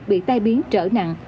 bị tai biến trở nặng